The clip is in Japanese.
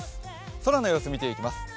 空の様子見ていきます。